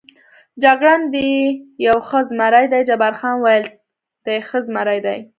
جګړن: دی یو ښه زمري دی، جبار خان وویل: دی ښه زمري دی.